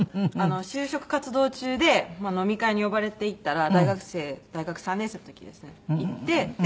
就職活動中で飲み会に呼ばれて行ったら大学生大学３年生の時ですね。